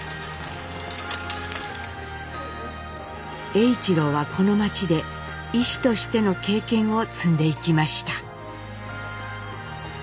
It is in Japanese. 栄一郎はこの町で医師としての経験を積んでいきました。